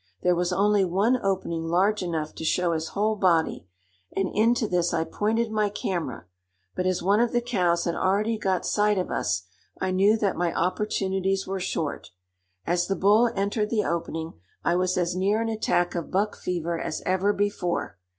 There was only one opening large enough to show his whole body, and into this I pointed my camera; but as one of the cows had already got sight of us, I knew that my opportunities were short. As the bull entered the opening, I was as near an attack of buck fever as ever before.